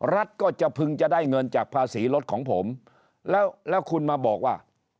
รัฐก็จะพึงจะได้เงินจากภาษีรถของผมแล้วแล้วคุณมาบอกว่า